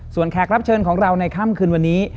แขกรับเชิญของเราในค่ำคืนวันนี้